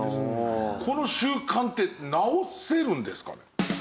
この習慣って直せるんですかね？